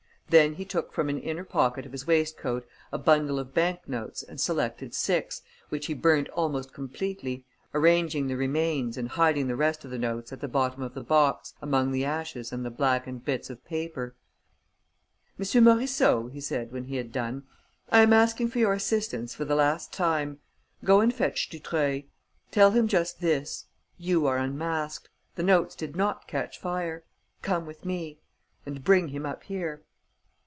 Then he took from an inner pocket of his waistcoat a bundle of bank notes and selected six, which he burnt almost completely, arranging the remains and hiding the rest of the notes at the bottom of the box, among the ashes and the blackened bits of paper: "M. Morisseau," he said, when he had done, "I am asking for your assistance for the last time. Go and fetch Dutreuil. Tell him just this: 'You are unmasked. The notes did not catch fire. Come with me.' And bring him up here."